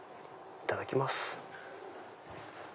いただきます。